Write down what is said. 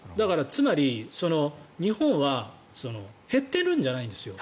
つまり、日本は減っているんじゃないんですよ